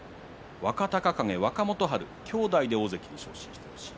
若隆景と若元春、兄弟で大関に昇進してほしい。